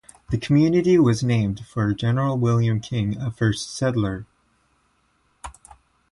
The community was named for General William King, a first settler.